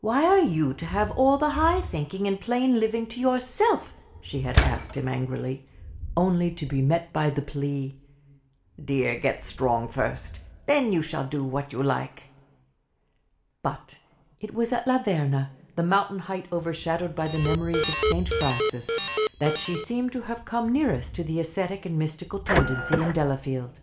"Why are you to have all the high thinking and plain living to yourself?" she had asked him, angrily, only to be met by the plea, "Dear, get strong first then you shall do what you like." But it was at La Verna, the mountain height overshadowed by the memories of St. Francis, that she seemed to have come nearest to the ascetic and mystical tendency in Delafield.